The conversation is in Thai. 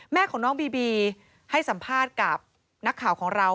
แม่ของน้องบีบีให้สัมภาษณ์กับนักข่าวของเรา